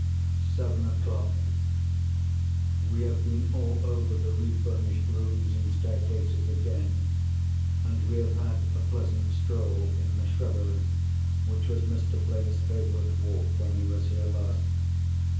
Seven o'clock.—We have been all over the refurnished rooms and staircases again; and we have had a pleasant stroll in the shrubbery, which was Mr. Blake's favourite walk when he was here last.